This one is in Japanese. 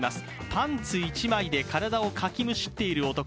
パンツ１枚で体をかきむしっている男。